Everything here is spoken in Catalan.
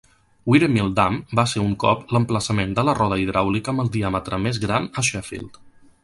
Wiremill Dam va ser un cop l'emplaçament de la roda hidràulica amb el diàmetre més gran a Sheffield.